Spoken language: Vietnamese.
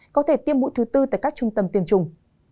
có thể tiêm mũi thứ tư tại các trung tâm tiêm chủng